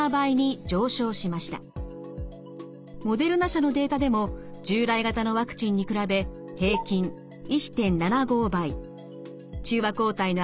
モデルナ社のデータでも従来型のワクチンに比べ平均１．７５倍中和抗体の値が上がっていました。